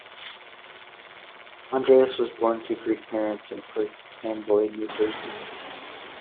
Andreadis was born to Greek parents in Perth Amboy, New Jersey.